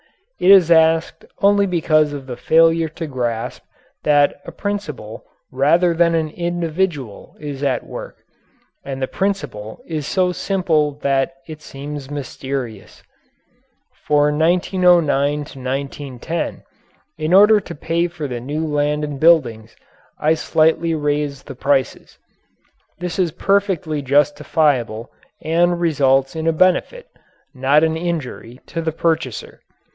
It is asked only because of the failure to grasp that a principle rather than an individual is at work, and the principle is so simple that it seems mysterious. For 1909 1910, in order to pay for the new land and buildings, I slightly raised the prices. This is perfectly justifiable and results in a benefit, not an injury, to the purchaser.